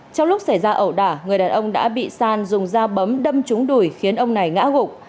trong lúc xảy ra ẩu đả người đàn ông đã bị san dùng dao bấm đâm trúng đùi khiến ông này ngã gục